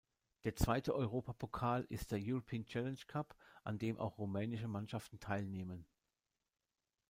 Der zweite Europapokal ist der European Challenge Cup, an dem auch rumänische Mannschaften teilnehmen.